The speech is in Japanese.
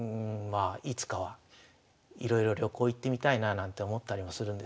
あいつかはいろいろ旅行行ってみたいななんて思ったりもするんですけどね。